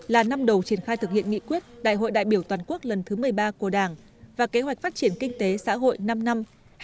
là năm đầu triển khai thực hiện nghị quyết đại hội đại biểu toàn quốc lần thứ một mươi ba của đảng và kế hoạch phát triển kinh tế xã hội năm năm hai nghìn hai mươi một hai nghìn hai mươi